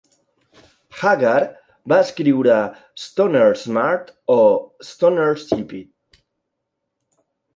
Hager va escriure Stoner Smart o Stoner Stupid?